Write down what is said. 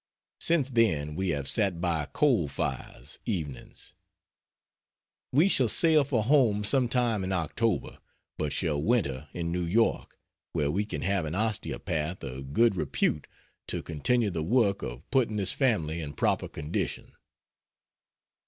Since then we have sat by coal fires, evenings. We shall sail for home sometime in October, but shall winter in New York where we can have an osteopath of good repute to continue the work of putting this family in proper condition.